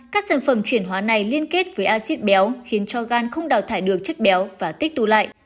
các sản phẩm chuyển hóa này liên kết với acid béo khiến cho gan không đào thải được chất béo và tích tu lại